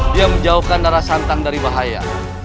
dia menjauhkan darah santang dari bahaya